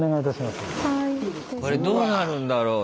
これどうなるんだろう？